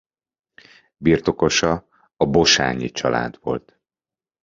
Birtokosa a Bossányi család volt.